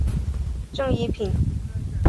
正一品。